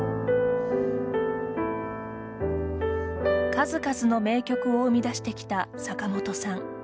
数々の名曲を生み出してきた坂本さん。